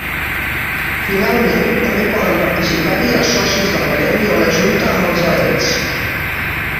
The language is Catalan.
Finalment, també poden participar-hi els socis del gremi o la junta amb els elets.